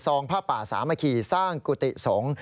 ผ้าป่าสามัคคีสร้างกุฏิสงฆ์